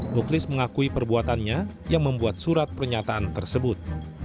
muklis mengakui perbuatannya yang membuat surat pernyataan tersebut